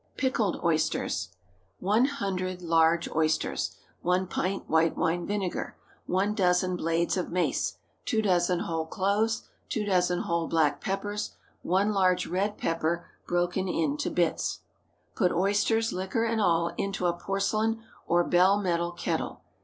PICKLED OYSTERS. ✠ 100 large oysters. 1 pt. white wine vinegar. 1 doz. blades of mace. 2 doz. whole cloves. 2 doz. whole black peppers. 1 large red pepper broken into bits. Put oysters, liquor and all, into a porcelain or bell metal kettle.